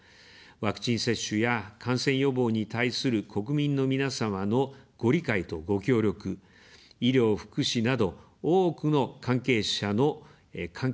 ワクチン接種や感染予防に対する国民の皆様のご理解とご協力、医療・福祉など、多くの関係者の献身的なご尽力のおかげです。